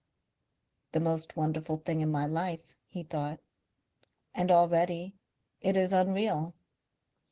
"The most wonderful thing in my life," he thought. "And already it is unreal.